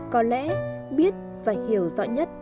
có lẽ biết và hiểu rõ nhất